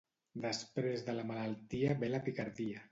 Després de la malaltia ve la picardia.